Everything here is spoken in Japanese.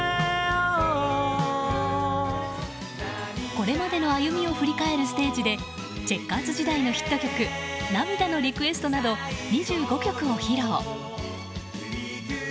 これまでの歩みを振り返るステージでチェッカーズ時代のヒット曲「涙のリクエスト」など２５曲を披露。